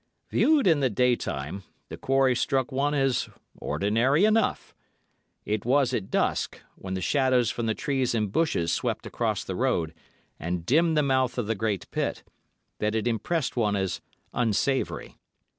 "Viewed in the day time, the quarry struck one as ordinary enough. It was at dusk, when the shadows from the trees and bushes swept across the road and dimmed the mouth of the great pit, that it impressed one as unsavoury.